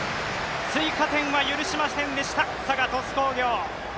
追加点は許しませんでした佐賀、鳥栖工業。